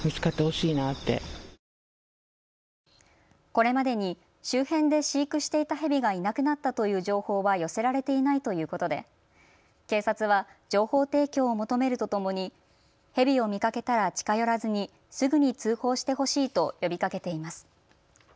これまでに周辺で飼育していたヘビがいなくなったという情報は寄せられていないということで警察は情報提供を求めるとともにヘビを見かけたら近寄らずにすぐに通報してほしいと呼びかけています。